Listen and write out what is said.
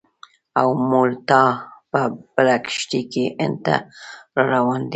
او مولنا په بله کښتۍ کې هند ته را روان دی.